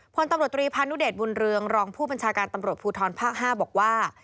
พลตำรวจตรีพานุเดชบุญเรืองรองผู้บัญชาการตำรวจภูทรภาค๕บอกว่า